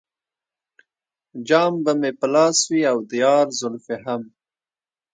جام به مې په لاس وي او د یار زلفې هم.